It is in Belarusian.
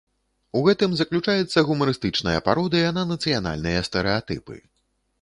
У гэтым заключаецца гумарыстычная пародыя на нацыянальныя стэрэатыпы.